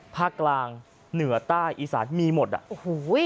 ภาคกลางเหนือใต้อีสานมีหมดอ่ะโอ้โห